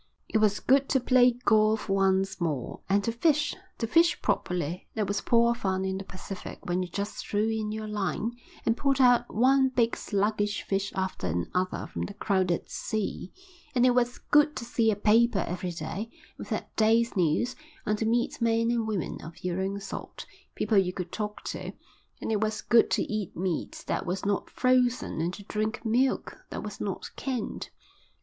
It was good to play golf once more, and to fish to fish properly, that was poor fun in the Pacific when you just threw in your line and pulled out one big sluggish fish after another from the crowded sea and it was good to see a paper every day with that day's news, and to meet men and women of your own sort, people you could talk to; and it was good to eat meat that was not frozen and to drink milk that was not canned.